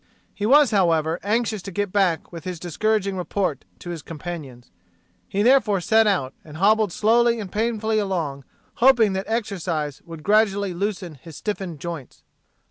He was, however, anxious to get back with his discouraging report to his companions. He therefore set out, and hobbled slowly and painfully along, hoping that exercise would gradually loosen his stiffened joints.